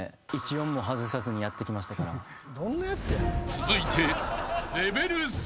［続いて］